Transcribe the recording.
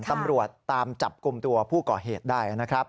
ตำรวจตามจับกลุ่มตัวผู้ก่อเหตุได้นะครับ